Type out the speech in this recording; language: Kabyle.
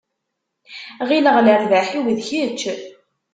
Ɣileɣ lerbaḥ-iw d kečč.